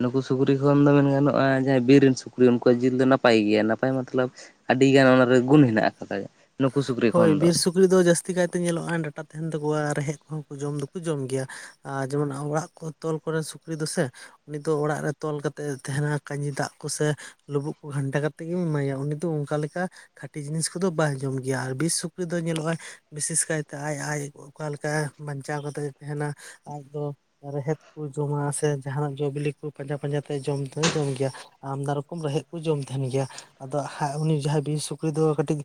ᱱᱩᱠᱩ ᱥᱩᱠᱨᱤ ᱠᱷᱚᱱ ᱫᱚ ᱢᱮᱱ ᱜᱟᱱᱚᱜᱼᱟ ᱡᱟᱦᱟᱸ ᱵᱤᱨ ᱨᱮᱱ ᱥᱩᱠᱨᱤ ᱩᱱᱠᱩ ᱡᱤᱞ ᱫᱚ ᱱᱟᱯᱟᱭ ᱜᱮᱭᱟ ᱱᱟᱯᱟᱭ ᱢᱚᱛᱞᱚᱵ ᱟᱹᱰᱤ ᱜᱟᱱ ᱚᱱᱟᱨᱮ ᱜᱩᱱ ᱦᱮᱱᱟᱜ ᱟᱠᱟᱫᱟ ᱱᱩᱠᱩ ᱥᱩᱠᱨᱤ ᱦᱳᱭ ᱠᱷᱚᱱ ᱫᱚ ᱵᱤᱨ ᱥᱩᱠᱨᱤ ᱫᱚ ᱡᱟᱹᱥᱛᱤ ᱠᱟᱭᱛᱮ ᱧᱮᱞᱚᱜᱼᱟ ᱰᱟᱴᱟ ᱛᱟᱦᱮᱱ ᱛᱟᱠᱚᱣᱟ ᱨᱮᱦᱮᱫ ᱠᱚᱦᱚᱸ ᱠᱚ ᱡᱚᱢ ᱫᱚᱠᱚ ᱡᱚᱢ ᱜᱮᱭᱟ ᱟᱨ ᱡᱮᱢᱚᱱ ᱚᱲᱟᱜ ᱠᱚ ᱛᱚᱞ ᱠᱚᱨᱮᱱ ᱥᱩᱠᱨᱤ ᱫᱚᱥᱮ ᱩᱱᱤ ᱫᱚ ᱚᱲᱟᱜ ᱨᱮ ᱛᱚᱞ ᱠᱟ ᱠᱟᱛᱮᱫ ᱮ ᱛᱟᱦᱮᱱᱟ ᱠᱟᱹᱡᱤ ᱫᱟᱜ ᱠᱚᱥᱮ ᱞᱩᱵᱩᱜ ᱠᱚ ᱜᱷᱟᱱᱴᱟ ᱠᱟᱛᱮᱮᱫ ᱜᱮᱧ ᱮᱢᱟᱭᱟ ᱩᱱᱤ ᱫᱚ ᱚᱱᱠᱟ ᱞᱮᱠᱟ ᱠᱷᱟᱹᱴᱤ ᱡᱤᱱᱤᱥ ᱠᱚᱫᱚ ᱵᱟᱭ ᱡᱚᱢ ᱫᱟ ᱜᱮᱭᱟ ᱟᱨ ᱵᱤᱥ ᱥᱩᱠᱨᱤ ᱫᱚ ᱧᱮᱞᱚᱜᱼᱼᱟᱭ ᱵᱤᱥᱮᱥ ᱠᱟᱭᱛᱮ ᱟᱡ ᱟᱡ ᱚᱠᱟ ᱞᱮᱠᱟ ᱵᱟᱧᱪᱟᱣ ᱠᱟᱛᱮᱫ ᱛᱟᱦᱮᱱᱟ ᱟᱡ ᱫᱚ ᱨᱮᱦᱮᱫ ᱠᱚ ᱡᱚᱢᱟ ᱥᱮ ᱡᱟᱦᱟᱱᱟᱜ ᱡᱚ ᱵᱤᱞᱤ ᱠᱚ ᱯᱟᱸᱡᱟ ᱯᱟᱸᱡᱟ ᱛᱮ ᱡᱚᱢ ᱫᱚᱭ ᱡᱚᱢ ᱜᱮᱭᱟ ᱟᱢᱢᱫᱟ ᱨᱚᱠᱚᱢ ᱨᱮᱦᱮᱫ ᱠᱚ ᱡᱚᱢ ᱛᱟᱦᱮᱱ ᱜᱮᱭᱟ ᱟᱫᱚ ᱦᱟᱸᱜ ᱩᱱᱤ ᱡᱟᱦᱟᱸᱭ ᱵᱤᱨ ᱥᱩᱠᱨᱤ ᱫᱚ ᱠᱟᱹᱴᱤᱡ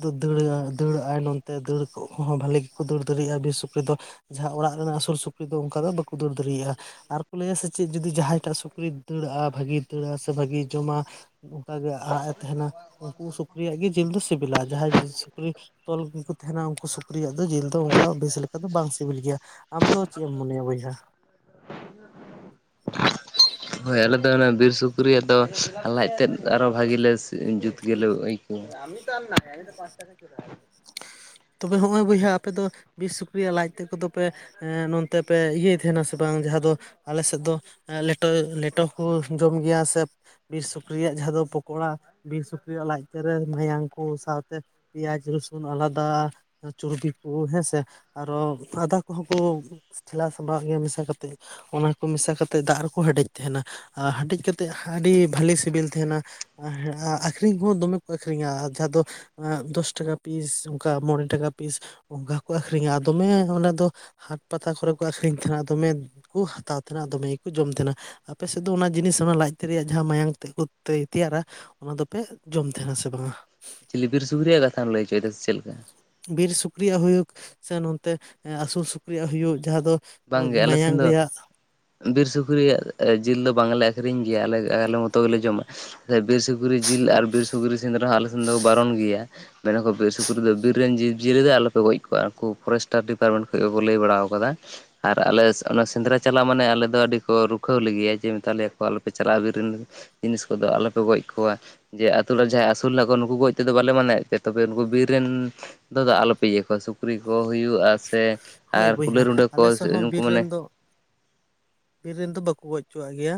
ᱫ [inaudible] ᱫᱟᱹᱲᱟᱜᱟᱭ ᱱᱚᱛᱛᱮ ᱫᱟᱹᱲ ᱠᱚᱦᱚᱸ ᱵᱷᱷᱟᱞᱤ ᱜᱮᱠᱚ ᱫᱟᱹᱲ ᱫᱟᱲᱮᱭᱟᱜᱼᱟ ᱵᱤᱨ ᱥᱩᱠᱨᱤ ᱫᱚ ᱡᱟᱦᱟᱸ ᱚᱲᱟᱜ ᱨᱮᱱᱟᱜ ᱟᱹᱥᱩᱞ ᱥᱩᱠᱨᱤ ᱫᱚ ᱚᱱᱠᱟ ᱫᱚ ᱵᱟᱠᱚ ᱫᱟᱹᱲ ᱫᱟᱲᱮᱭᱟᱜᱼᱟ ᱟᱨ ᱠᱚ ᱞᱟᱹᱭᱟ ᱥᱮ ᱪᱮᱫ ᱡᱩᱫᱤ ᱡᱟᱦᱟᱸᱭ ᱴᱟᱜ ᱥᱩᱠᱨᱤᱤᱭ ᱫᱟᱹᱲᱟᱜᱼᱟ ᱵᱷᱟᱜᱮᱭ ᱫᱟᱹᱲᱟᱼᱟ ᱥᱮ ᱵᱷᱟᱜᱤᱭ ᱡᱚᱢᱟ ᱚᱱᱠᱟᱜᱮ ᱟᱜ ᱮ ᱛᱟᱦᱮᱱᱟ ᱩᱱᱠᱩ ᱥᱩᱠᱨᱤᱭᱟᱜ ᱜᱮ ᱡᱤᱞ ᱫᱚ ᱥᱤᱵᱤᱞᱟ ᱡᱟᱦᱟᱸᱭ ᱥᱩᱠᱨᱤ ᱛᱚᱞ ᱠᱚᱠᱚ ᱛᱟᱦᱮᱱᱟ ᱩᱱᱠᱩ ᱥᱩᱠᱨᱤᱭᱟᱜ ᱫᱚ ᱡᱤᱞ ᱫᱚ ᱚᱱᱠᱟ ᱵᱮᱥ ᱞᱮᱠᱟ ᱫᱚ ᱵᱟᱝ ᱥᱤᱵᱤᱞ ᱜᱮᱭᱟ ᱟᱢ ᱫᱚ ᱪᱮᱫ ᱮᱢ ᱢᱚᱱᱮᱭᱟ ᱵᱚᱭᱦᱟ ᱦᱳᱭ ᱟᱞᱮᱫᱚ ᱚᱱᱟ ᱵᱤᱨ ᱥᱩᱠᱨᱤᱭᱟᱜ ᱫᱚ ᱞᱟᱡ ᱛᱮᱫ ᱟᱨᱚ ᱵᱷᱟᱜᱤ ᱞᱮ ᱡᱩᱛ ᱜᱮᱞᱮ ᱟᱹᱭᱠᱟᱹᱣᱟ ᱪᱟᱞ [inaudible] ᱟ ᱫᱚ ᱯᱟᱸᱪ ᱴᱟᱠᱟ ᱠᱮᱫ ᱛᱚᱵᱮ ᱦᱚᱸᱜᱼᱚᱭ ᱵᱚᱭᱦᱟ ᱟᱯᱮ ᱫᱚ ᱵᱤᱨ ᱥᱩᱠᱨᱤᱭᱟᱜ ᱞᱟᱡ ᱛᱮᱫ ᱠᱚᱫᱚ ᱯᱮ ᱮ ᱱᱚᱱᱛᱮ ᱯᱮ ᱤᱭᱟᱹᱭ ᱛᱟᱦᱮᱱᱟ ᱥᱮ ᱵᱟᱝ ᱡᱟᱦᱟᱸ ᱫᱚ ᱟᱞᱮ ᱥᱮᱫ ᱫᱚ ᱞᱮᱴᱚ ᱞᱮᱴᱚ ᱦᱚᱸᱠᱚ ᱡᱚᱢ ᱜᱮᱭᱟ ᱥᱮ ᱵᱤᱨ ᱥᱩᱠᱨᱤᱭᱟᱜ ᱡᱟᱦᱟᱸ ᱫᱚ ᱯᱚᱠᱚᱲᱟ ᱵᱤᱨ ᱥᱩᱠᱨᱤᱭᱟᱜ ᱞᱟᱡ ᱛᱮᱨᱮ ᱢᱟᱭᱟᱝ ᱠᱚ ᱥᱟᱶᱛᱮ ᱯᱮᱸᱭᱟᱡᱽ ᱨᱚᱥᱩᱱ ᱟᱞᱟᱫᱟ ᱪᱩᱨᱵᱤ ᱠᱚ ᱦᱮᱸ ᱥᱮ ᱟᱨᱚ ᱟᱫᱟ ᱠᱚᱦᱚᱸ ᱠᱚ ᱴᱷᱮᱞᱟᱣ ᱥᱟᱢᱵᱟᱜ ᱜᱮᱭᱟ ᱢᱮᱥᱟ ᱠᱟᱛᱮᱮᱫ ᱚᱱᱟ ᱠᱚ ᱢᱮᱥᱟ ᱠᱟᱛᱮᱫ ᱫᱟᱜ ᱨᱮᱠᱚ ᱦᱮᱰᱮᱡ ᱛᱟᱦᱮᱱᱟ ᱟᱨ ᱦᱮᱰᱮᱡ ᱠᱟᱛᱮᱫ ᱟᱹᱰᱤ ᱵᱷᱟᱞᱤ ᱥᱤᱵᱤᱞ ᱛᱟᱦᱮᱱᱟ ᱾ ᱟᱠᱷᱨᱤᱧ ᱠᱚᱦᱚᱸ ᱫᱚᱢᱮ ᱠᱚ ᱟᱹᱠᱷᱨᱤᱧᱟ ᱡᱟᱦᱟᱸ ᱫᱚ ᱫᱚᱥ ᱴᱟᱠᱟ ᱯᱤᱥ ᱚᱱᱠᱟ ᱢᱚᱬᱮ ᱴᱟᱠᱟ ᱯᱤᱥ ᱚᱱᱠᱟ ᱠᱚ ᱟᱹᱠᱷᱨᱤᱧᱟ ᱫᱚᱢᱮ ᱚᱸᱰᱮ ᱫᱚ ᱦᱟᱴ ᱯᱟᱛᱟ ᱠᱚᱨᱮ ᱠᱚ ᱟᱹᱠᱷᱨᱤᱧ ᱛᱟᱦᱮᱱᱟ ᱫᱚᱢᱮ ᱠᱚ ᱦᱟᱛᱟᱣ ᱛᱟᱦᱮᱱᱟ ᱫᱚᱢᱮ ᱜᱮᱠᱚ ᱡᱚᱢ ᱛᱟᱦᱮᱱᱟ ᱾ ᱟᱯᱮ ᱥᱮᱫ ᱫᱚ ᱚᱱᱟ ᱡᱤᱱᱤᱥ ᱚᱱᱟ ᱞᱟᱡ ᱛᱮᱜ ᱨᱮᱭᱟᱜ ᱡᱟᱦᱟᱸ ᱢᱟᱭᱟᱢ ᱛᱮ ᱠᱚ ᱛᱮᱭᱟᱨᱟ ᱚᱱᱟ ᱫᱚᱯᱮ ᱡᱚᱢ ᱛᱟᱦᱮᱱᱟ ᱥᱮ ᱵᱟᱝᱟ? ᱪᱤᱞᱤ ᱵᱤᱨ ᱥᱩᱠᱨᱤ ᱨᱮᱭᱟᱜ ᱠᱟᱛᱷᱟᱢ ᱞᱟᱹᱭ ᱦᱚᱪᱚᱭᱮᱫᱟ ᱥᱮ ᱪᱮᱫ ᱞᱮᱠᱟ? ᱵᱤᱨ ᱥᱩᱠᱨᱤᱭᱟᱜ ᱦᱩᱭᱩᱜ ᱥᱮ ᱱᱚᱛᱮ ᱟᱹᱥᱩᱞ ᱥᱩᱠᱨᱤᱭᱟᱜ ᱦᱩᱭᱩᱜ ᱡᱟᱦᱟᱸ ᱫᱚ ᱵᱟᱝᱜᱮ ᱟᱞᱮ ᱢᱟᱭᱟᱝ ᱥᱮᱱ ᱫᱚ ᱨᱮᱭᱟᱜ ᱵᱤᱨ ᱥᱩᱠᱨᱤᱭᱟᱜ ᱡᱤᱞ ᱫᱚ ᱵᱟᱝᱞᱮ ᱟᱹᱠᱷᱨᱤᱧ ᱜᱮᱭᱟ ᱟᱞᱮ ᱟᱞᱮ ᱢᱚᱛᱚ ᱜᱮᱞᱮ ᱡᱚᱢᱟ᱾ ᱵᱤᱨ ᱥᱩᱠᱨᱤ ᱡᱤᱞ ᱟᱨ ᱵᱤᱨ ᱥᱩᱠᱨᱤ ᱥᱮᱸᱫᱽᱨᱟ ᱦᱚᱸ ᱟᱞᱮ ᱥᱮᱱ ᱫᱚ ᱵᱟᱨᱚᱱ ᱜᱮᱭᱟ ᱾ ᱢᱮᱱᱟ ᱠᱚ ᱥᱩᱠᱨᱤ ᱫᱚ ᱵᱤᱨ ᱨᱮᱱ ᱡᱤᱡᱤᱭᱟᱹᱞᱤ ᱫᱚ ᱟᱞᱚᱯᱮ ᱜᱚᱡ ᱠᱚᱣᱟ ᱩᱱᱠᱩ ᱯᱷᱚᱨᱮᱥᱴᱟᱨ ᱰᱤᱯᱟᱨᱴᱢᱮᱱᱴ ᱜᱮᱠᱚ ᱞᱟᱹᱭ ᱵᱟᱲᱟ ᱟᱠᱟᱫᱟ ᱾ ᱟᱨ ᱟᱞᱮ ᱚᱱᱟ ᱥᱮᱸᱫᱽᱨᱟ ᱪᱟᱞᱟᱜ ᱢᱟᱱᱮ ᱟᱞᱮ ᱫᱚ ᱟᱹᱰᱤ ᱠᱚ ᱨᱩᱠᱷᱟᱹᱣ ᱞᱮᱜᱮᱭᱟ ᱡᱮ ᱢᱮᱛᱟ ᱞᱮᱭᱟ ᱠᱚ ᱟᱞᱚᱯᱮ ᱪᱟᱞᱟᱜᱼᱟ ᱵᱤᱨ ᱨᱮᱱ ᱡᱤᱱᱤᱥ ᱠᱚᱫᱚ ᱟᱞᱚᱯᱮ ᱜᱚᱡ ᱠᱚᱣᱟ᱾ ᱡᱮ ᱟᱛᱳ ᱚᱲᱟᱜ ᱨᱮ ᱡᱟᱦᱟᱸᱭ ᱟᱹᱥᱩᱞ ᱢᱮᱱᱟᱜ ᱠᱚᱣᱟ ᱱᱩᱠᱩ ᱜᱚᱡ ᱛᱮᱫᱚ ᱵᱟᱞᱮ ᱢᱟᱱᱟᱣᱭᱮᱫ ᱯᱮᱭᱟ ᱛᱚᱵᱮ ᱱᱩᱠᱩ ᱵᱤᱨ ᱨᱮᱱ ᱫᱟᱫᱟ ᱟᱞᱚᱯᱮ ᱤᱭᱟᱹ ᱠᱚᱣᱟ ᱥᱩᱠᱨᱤ ᱠᱚ ᱦᱩᱭᱩᱜᱼᱟ ᱥᱮ ᱦᱳᱭ ᱟᱨ ᱵᱚᱭᱦᱟ ᱠᱩᱞᱟᱹᱭ ᱨᱩᱰᱟᱹ ᱠᱚ ᱟᱞᱮ ᱥᱮᱫ ᱦᱚᱸ ᱩᱱᱠᱩ ᱵᱤᱨ ᱢᱟᱱᱮ ᱨᱮᱱ ᱫᱚ ᱵᱤᱨ ᱨᱮᱱ ᱫᱚ ᱵᱟᱹᱠᱩ ᱜᱚᱡ ᱦᱚᱪᱚᱣᱟᱜ ᱜᱮᱭᱟ ᱾